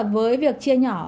với việc chia nhỏ